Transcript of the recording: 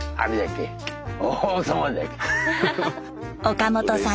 岡本さん